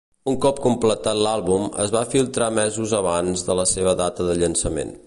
Un cop completat l'àlbum, es va filtrar mesos abans de la seva data de llançament.